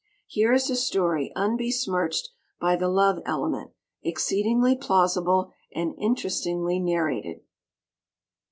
Here is a story unbesmirched by the love element, exceedingly plausible and interestingly narrated.